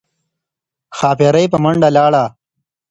ښاپیرۍ په منډه لاړه